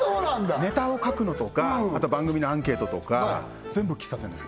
ネタを書くのとかあと番組のアンケートとか全部喫茶店です